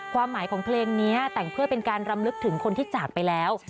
ความหมายของเพลงนี้แต่งเพื่อเป็นการรำลึกถึงคนที่จากไปแล้ว